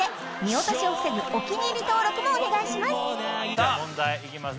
さあ問題いきます